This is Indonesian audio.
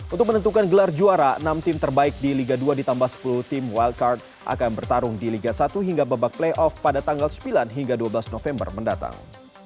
untuk menentukan gelar juara enam tim terbaik di liga dua ditambah sepuluh tim wilcard akan bertarung di liga satu hingga babak playoff pada tanggal sembilan hingga dua belas november mendatang